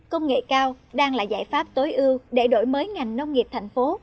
công nghệ cao đang là giải pháp tối ưu để đổi mới ngành nông nghiệp thành phố